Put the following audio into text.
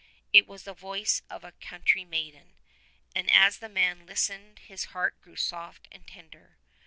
It was the voice of a country maiden, and as the young man listened his heart grew soft and ten der.